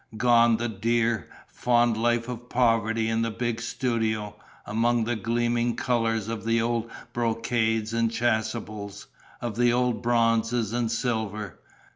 Gone the dear, fond life of poverty in the big studio, among the gleaming colours of the old brocades and chasubles, of the old bronzes and silver!